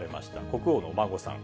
国王のお孫さん。